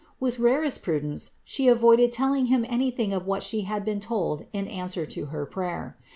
With rarest prudence She avoided telling Him anything of what She had been told in answer to her prayer.